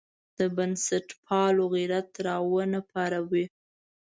د بنسټپالو غیرت راونه پاروي.